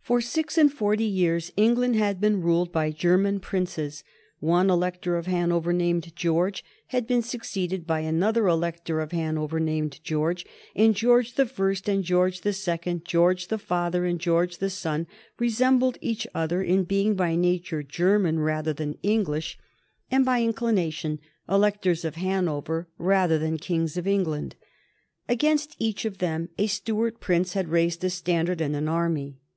For six and forty years England had been ruled by German princes. One Elector of Hanover named George had been succeeded by another Elector of Hanover named George, and George the First and George the Second, George the father and George the son, resembled each other in being by nature German rather than English, and by inclination Electors of Hanover rather than Kings of England. Against each of them a Stuart prince had raised a standard and an army.